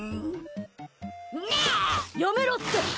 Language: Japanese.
やめろって！